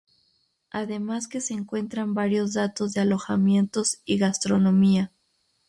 Además que se encuentran varios datos de alojamientos y gastronomía.